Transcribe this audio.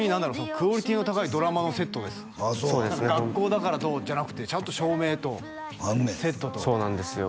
クオリティーの高いドラマのセットです学校だからどうじゃなくてちゃんと照明とセットとそうなんですよ